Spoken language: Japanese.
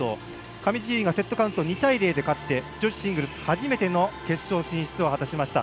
上地結衣がセットカウント２対０で勝って女子シングルス初めての決勝進出を果たしました。